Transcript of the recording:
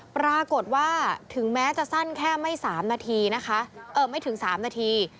ปรากฏว่าถึงแม้จะสั้นแค่ไม่ถึง๓นาที